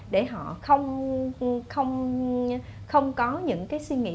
để họ không có những cái suy nghĩ